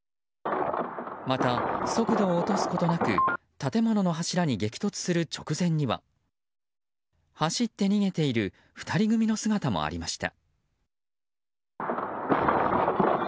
また速度を落とすことなく建物の柱に激突する直前には走って逃げている２人組の姿もありました。